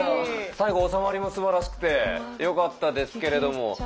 最後おさまりもすばらしくてよかったですけれども。